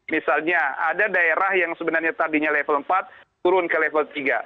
misalnya ada daerah yang sebenarnya tadinya level empat turun ke level tiga